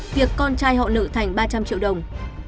việc con trai họ lựa thành ba trăm linh triệu đồng